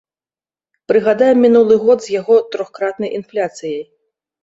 Прыгадаем мінулы год з яго трохкратнай інфляцыяй.